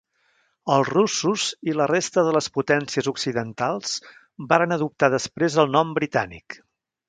Els russos i la resta de les potències occidentals varen adoptar després el nom britànic.